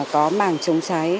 có màng chống cháy